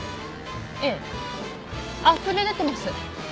ええあふれ出てます。